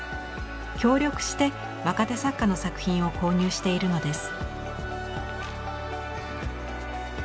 協力して若手作家の作品を購入しているのです。